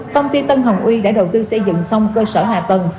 công ty tân hồng uy đã đầu tư xây dựng xong cơ sở hạ tầng